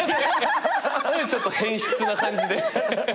何でちょっと変質な感じで。